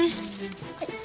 はい。